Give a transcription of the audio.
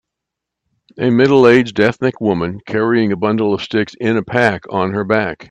A middleaged ethnic woman carrying a bundle of sticks in a pack on her back.